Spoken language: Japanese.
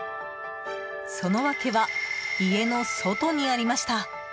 その訳は、家の外にありました。